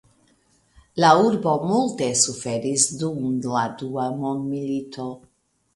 La urbo multe suferis dum la Dua Mondmilito.